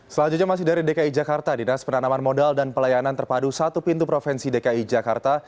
selanjutnya masih dari dki jakarta dinas penanaman modal dan pelayanan terpadu satu pintu provinsi dki jakarta